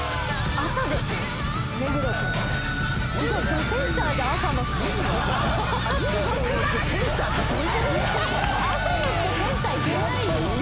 朝の人センターいけないよ